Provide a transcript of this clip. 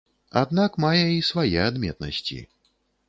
Аднак мае і свае адметнасці.